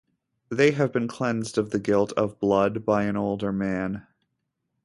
They have been cleansed of the guilt of blood by an older man.